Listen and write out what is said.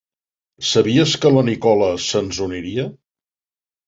Sabies que la Nikola se'ns uniria?